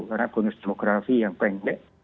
karena bonus demografi yang pendek